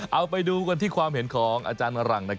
เอาไปดูกันที่ความเห็นของอาจารย์หลัง